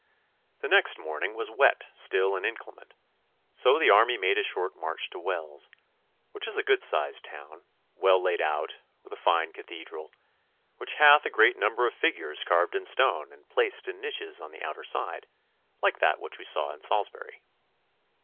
The next morning was wet still and inclement, so the army made a short march to Wells, which is a good sized town, well laid out, with a fine cathedral, which hath a great number of figures carved in stone and placed in niches on the outer side, like that which we saw at Salisbury.